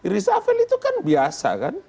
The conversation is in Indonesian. reshuffle itu kan biasa kan